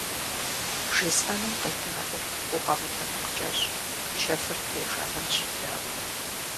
БжесӀэнум къедаӀуэ, укъэмытэмакъкӀэщӀ, чэфыр птеужагъэнщ, дауи.